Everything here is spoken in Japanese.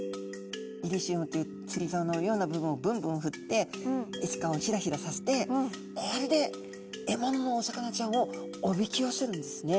イリシウムというつりざおのような部分をぶんぶんふってエスカをひらひらさせてこれで獲物のお魚ちゃんをおびき寄せるんですね。